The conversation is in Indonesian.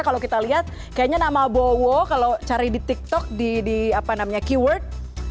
kalau kita lihat kayaknya nama bowo kalau cari di tiktok di apa namanya keyword